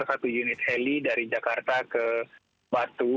satu unit heli dari jakarta ke batu